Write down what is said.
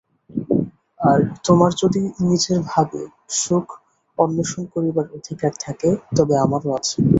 আর তোমার যদি নিজের ভাবে সুখ অন্বেষণ করিবার অধিকার থাকে, তবে আমারও আছে।